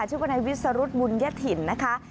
ชื่อว่าในวิสรุษบุญเยฃถิ่นนะคะ